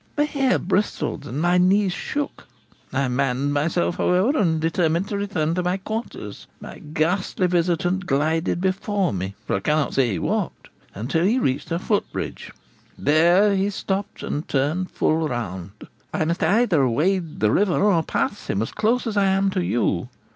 My hair bristled and my knees shook. I manned myself, however, and determined to return to my quarters. My ghastly visitant glided before me (for I cannot say he walked) until he reached the footbridge; there he stopped and turned full round. I must either wade the river or pass him as close as I am to you.